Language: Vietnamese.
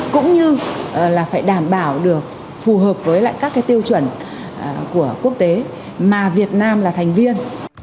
cũng như là phải đảm bảo được phù hợp với lại các cái tiêu chuẩn của quốc tế mà việt nam là thành viên